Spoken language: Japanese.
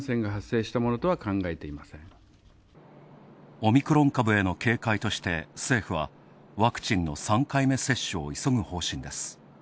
オミクロン株への警戒として、政府は、ワクチンの３回目接種を急ぐ方針です。